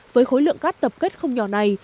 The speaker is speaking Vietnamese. với khối lượng cát tập kết không nhỏ này